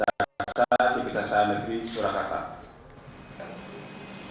jaksa di kejaksaan negeri surakarta